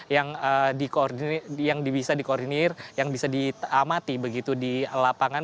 yang bisa dikoordinir yang bisa diamati begitu di lapangan